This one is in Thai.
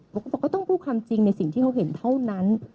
บอกว่าเขาต้องพูดคำจริงในสิ่งที่เขาเห็นเท่านั้น